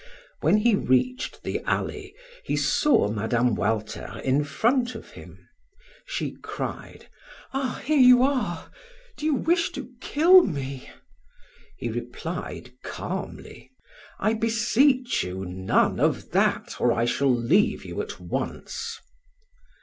When he reached the alley, he saw Mme. Walter in front of him; she cried: "Ah, here you are! Do you wish to kill me?" He replied calmly: "I beseech you, none of that, or I shall leave you at once."